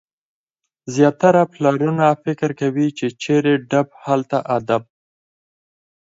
زیاتره پلرونه فکر کوي، چي چيري ډب هلته ادب.